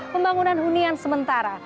pembangunan hunian sementara